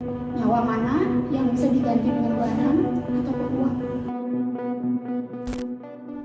nyawa mana yang bisa diganti dengan badan atau peruang